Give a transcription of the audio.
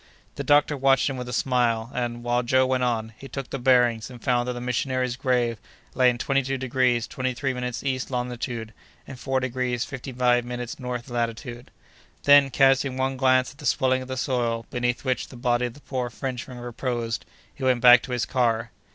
The doctor watched him with a smile; and, while Joe went on, he took the bearings, and found that the missionary's grave lay in twenty two degrees twenty three minutes east longitude, and four degrees fifty five minutes north latitude. Then, casting one glance at the swelling of the soil, beneath which the body of the poor Frenchman reposed, he went back to his car.